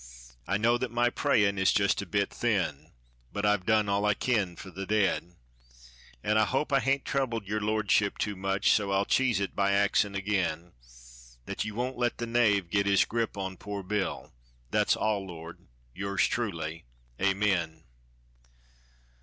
I know that my prayin' is just a bit thin, But I've done all I kin for the dead. An' I hope I hain't troubled yer lordship too much, So I'll cheese it by axin' again Thet ye won't let the 'knave' git his grip on poor Bill. Thet's all, Lord yours truly Amen."